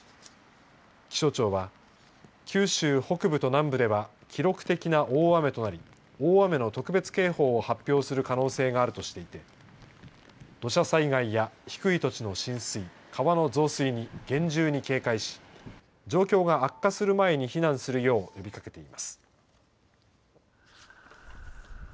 気象庁は、九州北部と南部では記録的な大雨となり大雨の特別警報を発表する可能性があるとしていて土砂災害や低い土地の浸水川の増水に厳重に警戒し状況が悪化する前に避難するよう呼びかけています。